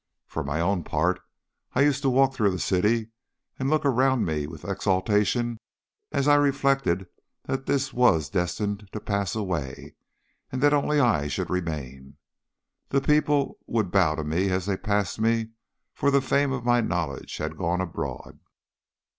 For my own part, I used to walk through the city and look around me with exultation as I reflected that all this was destined to pass away, and that only I should remain. The people would bow to me as they passed me, for the fame of my knowledge had gone abroad.